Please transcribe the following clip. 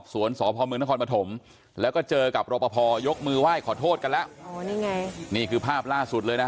สพมนครปฐมแล้วก็เจอกับรอปภยกมือไหว้ขอโทษกันแล้วอ๋อนี่ไงนี่คือภาพล่าสุดเลยนะ